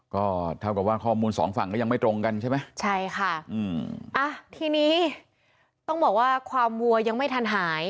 ก็เท่ากับว่าข้อมูลสองฝั่งก็ยังไม่ตรงกันใช่ไหมใช่ค่ะอืมอ่ะทีนี้ต้องบอกว่าความวัวยังไม่ทันหาย